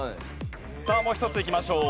さあもう一ついきましょう。